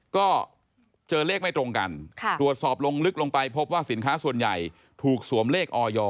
ก็เจอเลขไม่ตรงกันตรวจสอบลงลึกลงไปพบว่าสินค้าส่วนใหญ่ถูกสวมเลขออย